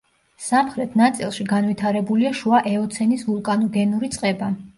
სამხრეთ ნაწილში განვითარებულია შუა ეოცენის ვულკანოგენური წყება.